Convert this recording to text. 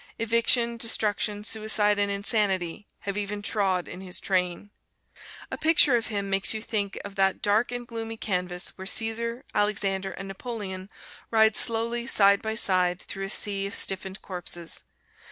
Eviction, destruction, suicide and insanity have even trod in his train. A picture of him makes you think of that dark and gloomy canvas where Cæsar, Alexander and Napoleon ride slowly side by side through a sea of stiffened corpses.